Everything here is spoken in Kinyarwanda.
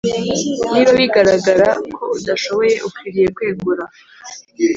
Niba bigaragara ko udashoboye ukwiriye kwegura